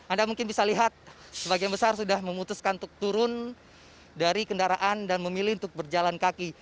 anda mungkin bisa lihat sebagian besar sudah memutuskan untuk turun dari kendaraan dan memilih untuk berjalan kaki